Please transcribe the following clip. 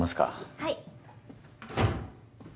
・はい。